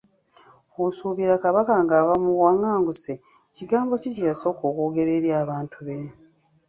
Osuubira Kabaka ng’ava mu buwangaanguse, kigambo ki kye yasooka okwogera eri abantu be?